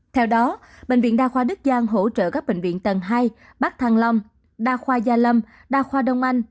theo đó bệnh viện đa khoa đức giang hỗ trợ các bệnh viện tầng hai bắc thăng long đa khoa gia lâm đa khoa đông anh